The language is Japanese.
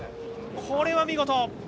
これは見事！